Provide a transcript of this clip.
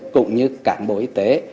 cũng như cả bộ y tế